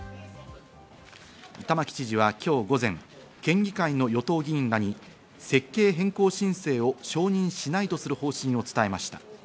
玉城知事は今日午前、県議会の与党議員らに設計変更申請を承認しないとする方針を伝えました。